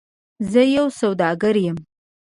زه یو سوداګر یم .